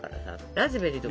ラズベリーとか。